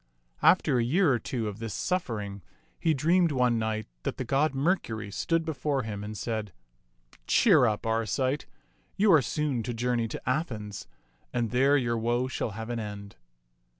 After a year or two of this suffering, he dreamed one night that the god Mercury stood before him and said, " Cheer up, Arcite. You are soon to journey to Athens, and there your woe shall have an end."